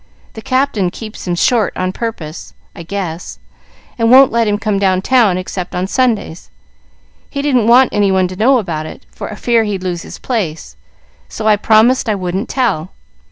The Captain keeps him short on purpose, I guess, and won't let him come down town except on Sundays. He didn't want any one to know about it, for fear he'd lose his place. So I promised I wouldn't tell.